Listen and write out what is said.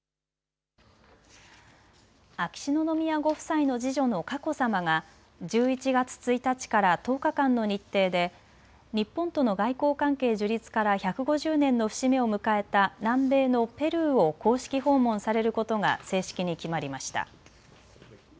秋篠宮ご夫妻の次女の佳子さまが１１月１日から１０日間の日程で日本との外交関係樹立から１５０年の節目を迎えた南米のペルーを公式訪問されることが正式に決まりました。